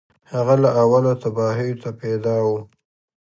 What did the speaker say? هغه له اوله تباهیو ته پیدا و